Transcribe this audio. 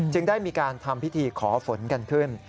ได้มีการทำพิธีขอฝนกันขึ้น